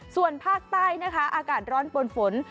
ส่วนภาคใต้นะคะอากาศร้อนปนฝน